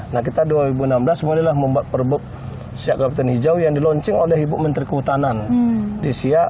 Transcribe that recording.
nah kita dua ribu enam belas mulailah membuat perbuk siak kapten hijau yang dilaunching oleh ibu menteri kehutanan di siak